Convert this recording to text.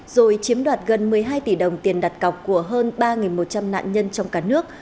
rồi chiếm đoạt gần một mươi hai tỷ đồng tiền đặt cọc của hơn ba một trăm linh nạn nhân trong cả nước